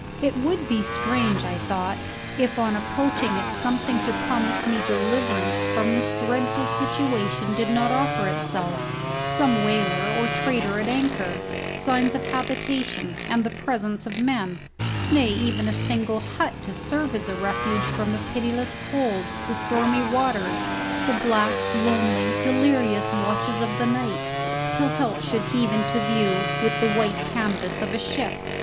It would be strange, I thought, if on approaching it something to promise me deliverance from this dreadful situation did not offer itself some whaler or trader at anchor, signs of habitation and of the presence of men, nay, even a single hut to serve as a refuge from the pitiless cold, the stormy waters, the black, lonely, delirious watches of the night, till help should heave into view with the white canvas of a ship.